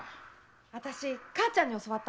私母ちゃんに教わったのよ。